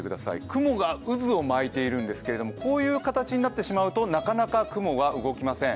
雲が渦を巻いているんですけどこういう形になってしまうとなかなか雲は動きません。